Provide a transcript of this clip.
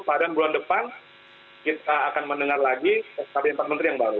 padahal bulan depan kita akan mendengar lagi skb empat menteri yang baru